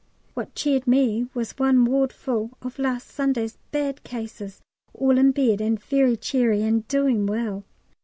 What cheered me was one ward full of last Sunday's bad cases, all in bed, and very cheery and doing well.